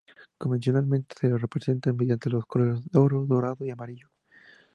Convencionalmente se lo representa mediante los colores oro, dorado o amarillo.